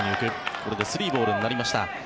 これで３ボールになりました。